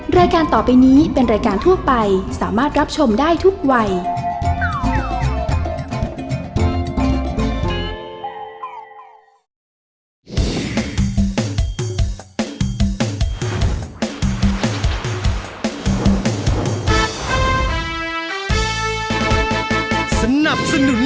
รายการต่อไปนี้เป็นรายการทั่วไปสามารถรับชมได้ทุกวัย